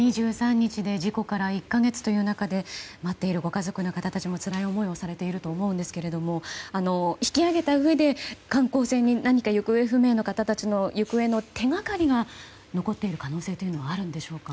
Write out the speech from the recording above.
２３日で事故から１か月という中で待っているご家族たちもつらい思いをされていると思いますが引き揚げたうえで観光船に何か行方不明の方たちの手掛かりが残っている可能性というのはあるんでしょうか。